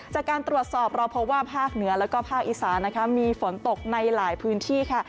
จากการตรวจสอบเราพบว่าภาคเหนือแล้วก็ภาคอีสานนะคะมีฝนตกในหลายพื้นที่ค่ะ